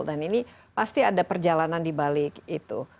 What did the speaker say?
dan ini pasti ada perjalanan di balik itu